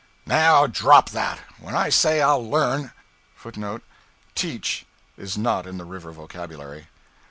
'Now drop that! When I say I'll learn {footnote ['Teach' is not in the river vocabulary.